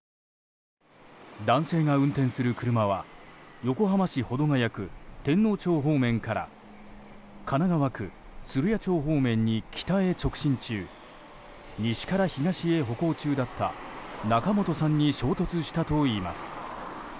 男性が運転する車は横浜市保土ケ谷区天王町方面から神奈川区鶴屋町方面に北へ直進中西から東へ歩行中だった仲本さんに衝突したといいます。